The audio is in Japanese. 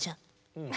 うん。